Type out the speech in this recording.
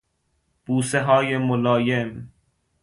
بوسههای ملایم